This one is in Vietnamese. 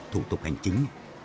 thủ tục hành chính